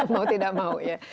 mau tidak mau ya